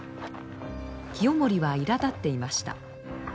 清盛はいらだっていました。